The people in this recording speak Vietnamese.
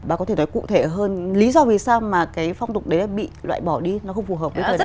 bà có thể nói cụ thể hơn lý do vì sao mà cái phong tục đấy bị loại bỏ đi nó không phù hợp với thời gian